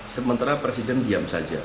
sementara presiden diam saja